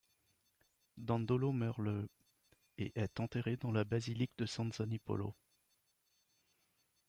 Dandolo meurt le et est enterré dans la basilique de San Zanipolo.